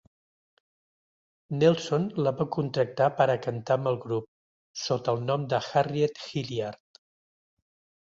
Nelson la va contractar per a cantar amb el grup, sota el nom de Harriet Hilliard.